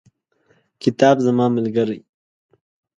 کتاب زما ملګری.